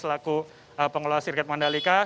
selaku pengelola sirket mandalika